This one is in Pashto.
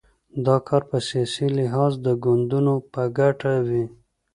دا کار په سیاسي لحاظ د ګوندونو په ګټه وي.